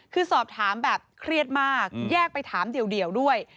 คือสอบถามแบบเครียดมากแยกไปถามเดี่ยวด้วย